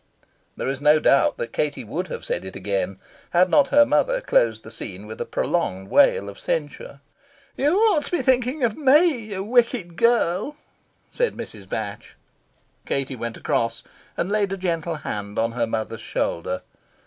There is no doubt that Katie would have said it again, had not her mother closed the scene with a prolonged wail of censure. "You ought to be thinking of ME, you wicked girl," said Mrs. Batch. Katie went across, and laid a gentle hand on her mother's shoulder.